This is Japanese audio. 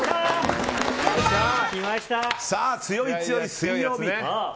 さあ、強い強い水曜日！